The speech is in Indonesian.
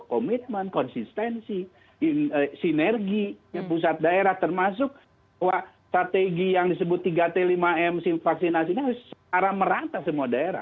komitmen konsistensi sinergi pusat daerah termasuk bahwa strategi yang disebut tiga t lima m vaksinasi ini harus secara merata semua daerah